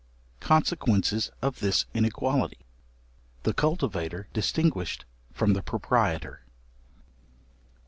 Consequences of this inequality: The cultivator distinguished from the proprietor.